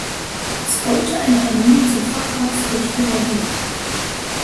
Es folgte eine Ernennung zum Facharzt für Chirurgie.